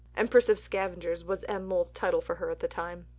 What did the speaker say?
"Empress of Scavengers" was M. Mohl's title for her at this time.